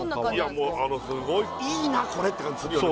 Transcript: いやもうあのすごいいいなこれって感じするよね